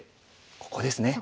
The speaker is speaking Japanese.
そこですね。